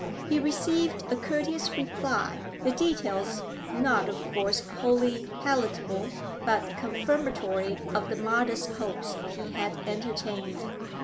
He received a courteous reply, the details not of course wholly palatable, but confirmatory of the modest hopes he had entertained.